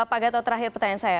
pak gatot terakhir pertanyaan saya